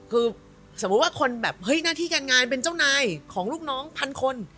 คือสมมุติว่าคนแบบนาฬิการงานเป็นเจ้าหน้าของลูกน้องพันคน